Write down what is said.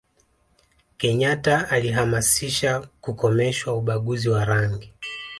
kenyata alihamasisha kukomeshwa ubaguzi wa rangi